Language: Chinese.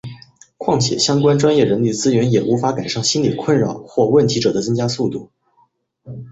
况且相关专业人力资源也无法赶上心理困扰或问题者的增加速度。